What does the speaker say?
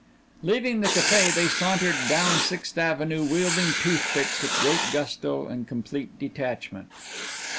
Leaving the café they sauntered down Sixth Avenue, wielding toothpicks with great gusto and complete detachment.